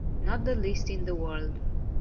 Not the least in the world.